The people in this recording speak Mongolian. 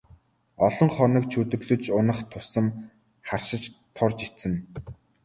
Олон хоног чөдөрлөж унах тусам харшиж турж эцнэ.